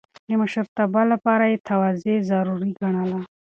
د مشرتابه لپاره يې تواضع ضروري ګڼله.